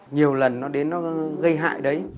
nhiều lần nó đến nó gây hại đấy